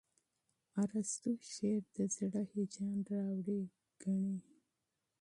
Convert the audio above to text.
ارستو شعر د زړه هیجان راوړي ګڼي.